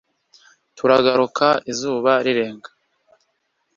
turagaruka izuba rirenga